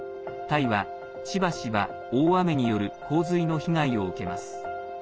タイは、しばしば大雨による洪水の被害を受けます。